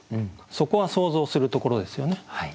そこは想像するところですよね。